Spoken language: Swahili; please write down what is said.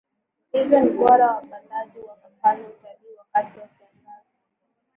hivyo ni bora wapandaji wakafanya utalii wakati wa kiangazi